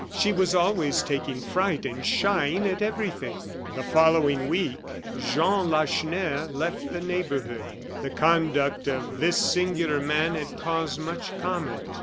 "She was always taking fright and shying at everything." The following week Jean Lacheneur left the neighborhood. The conduct of this singular man had caused much comment.